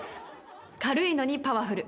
「軽いのにパワフル。